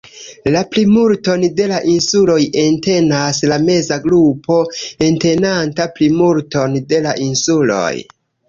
La plimulton de la insuloj entenas la meza grupo, entenanta plimulton de la insuloj.